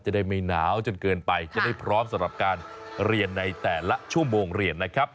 จะได้ไม่หนาวจนเกินไปจะได้พร้อมสำหรับการเรียนในแต่ละชั่วโมงเรียนนะครับ